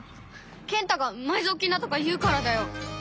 健太が埋蔵金だとか言うからだよ！